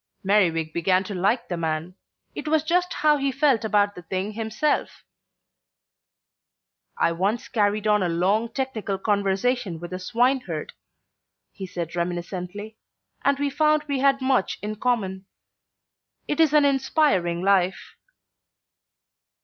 Merriwig began to like the man; it was just how he felt about the thing himself. "I once carried on a long technical conversation with a swineherd," he said reminiscently, "and we found we had much in common. It is an inspiring life."